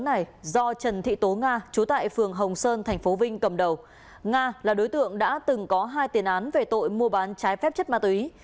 ngoài ra do trần thị tố nga chú tại phường hồng sơn tp vinh cầm đầu nga là đối tượng đã từng có hai tiền án về tội mua bán trái phép chất ma túy